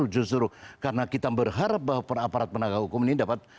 justru karena kita berharap bahwa aparat penegak hukum ini dapat